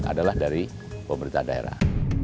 adalah dari pemerintah daerah